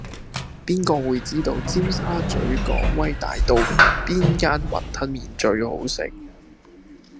邊個會知道尖沙咀港威大道邊間雲吞麵最好食